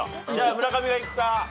じゃあ村上がいくか？